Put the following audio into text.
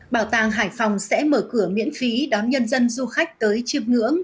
bảo tàng hải phòng sẽ mở cửa miễn phí đón nhân dân du khách tới chip ngưỡng